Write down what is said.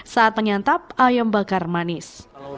saat menyantap ayam bakar manis